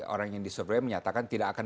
orang yang disurvey menyatakan tidak akan